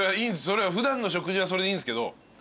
普段の食事はそれでいいんすけど。